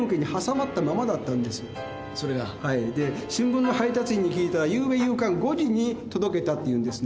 で新聞の配達員に聞いたら「昨夜夕刊５時に届けた」って言うんですね。